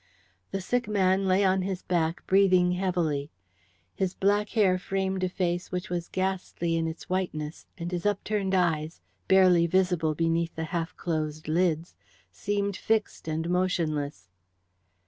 The sick man lay on his back, breathing heavily. His black hair framed a face which was ghastly in its whiteness, and his upturned eyes, barely visible beneath the half closed lids, seemed fixed and motionless.